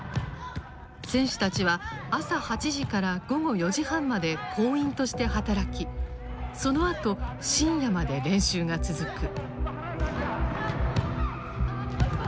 選手たちは朝８時から午後４時半まで工員として働きそのあと深夜まで練習が続く。